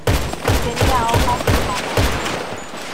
Tenía hojas frondas.